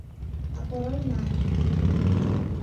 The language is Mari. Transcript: А Король мане: